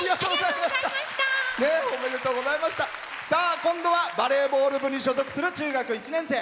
今度はバレーボール部に所属する中学１年生。